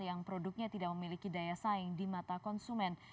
yang produknya tidak memiliki daya saing di mata konsumen